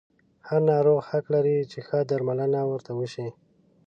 هر ناروغ حق لري چې ښه درملنه ورته وشي.